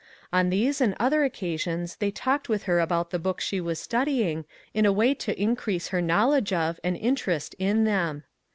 On these and other occasions they talked with her about the books she was studying in a way to increase her knowledge of, and interest in them.